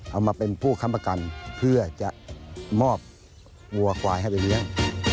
เอามาเป็นผู้ค้ำประกันเพื่อจะมอบวัวควายให้ไปเลี้ยง